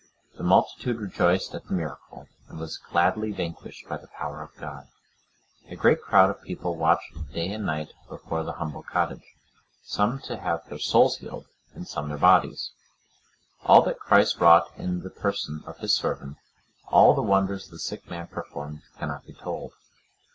The multitude rejoiced at the miracle, and was gladly vanquished by the power of God. A great crowd of people watched day and night before the humble cottage; some to have their souls healed, and some their bodies. All that Christ wrought in the person of his servant, all the wonders the sick man performed cannot be told.